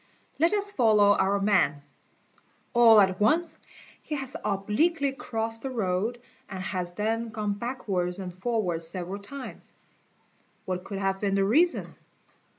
Let us follow our man. All at once he has obliquely crossed the road and has then gone backwards and forwards several times. What could have been the reason?